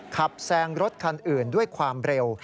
แซงรถคันอื่นด้วยความเร็ว